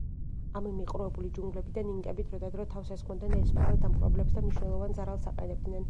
ამ მიყრუებული ჯუნგლებიდან ინკები დროდადრო თავს ესხმოდნენ ესპანელ დამპყრობლებს და მნიშვნელოვან ზარალს აყენებდნენ.